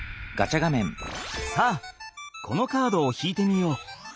さあこのカードを引いてみよう！